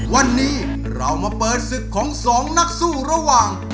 วันนี้เรามาเปิดศึกของสองนักสู้ระหว่าง